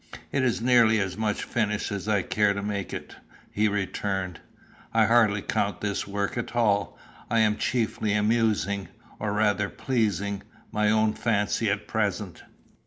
"It is nearly as much finished as I care to make it," he returned. "I hardly count this work at all. I am chiefly amusing, or rather pleasing, my own fancy at present."